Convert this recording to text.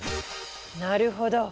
なるほど！